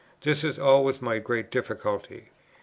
This is always my great difficulty.